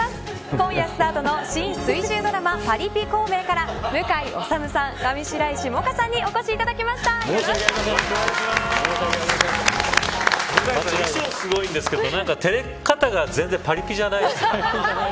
今夜スタートの新水１０ドラマパリピ孔明から向井理さん、上白石萌歌さんに衣装すごいんですけど照れ方が全然パリピじゃないですね。